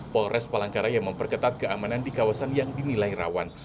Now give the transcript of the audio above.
polres palangkaraya memperketat keamanan di kawasan yang dinilai rawan